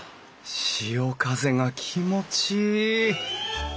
潮風が気持ちいい！